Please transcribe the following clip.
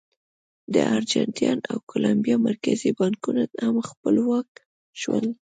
د ارجنټاین او کولمبیا مرکزي بانکونه هم خپلواک شول.